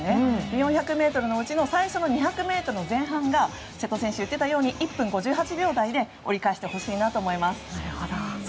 ４００ｍのうちの最初の２００ｍ前半が瀬戸選手が言っていたように１分５８秒台で折り返してほしいなと思います。